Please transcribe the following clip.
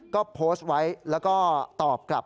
ก็โพสต์ไว้แล้วก็ตอบกลับ